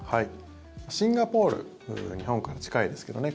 シンガポール日本から近いですけどね。